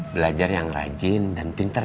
belajar yang rajin dan pintar